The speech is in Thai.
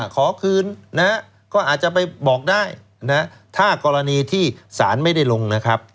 ขอคืนนะฮะก็อาจจะไปบอกได้นะถ้ากรณีที่สารไม่ได้ลงนะครับ